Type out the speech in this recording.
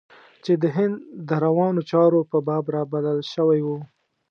چې د هند د روانو چارو په باب رابلل شوی و.